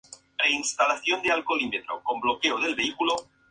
Juega de arquero en Sarmiento de Junín de la Primera B Nacional.